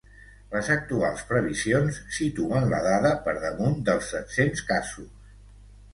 Les actuals previsions situen la dada per damunt dels set-cents casos.